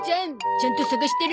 ちゃんと探してる？